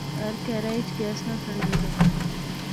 ہر کہرا اچ گیس نا سلنڈر زا